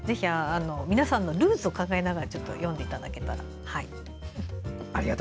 皆さんのルーツを考えながら読んでいただければと。